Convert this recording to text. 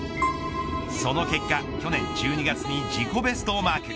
その結果、去年１２月に自己ベストをマーク。